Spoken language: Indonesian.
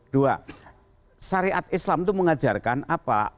dua syariat islam itu mengajarkan apa